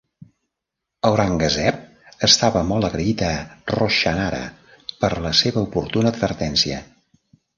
Aurangazeb estava molt agraït a Roshanara per la seva oportuna advertència.